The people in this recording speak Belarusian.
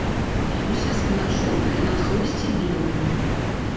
Уся спіна чорная, надхвосце белае.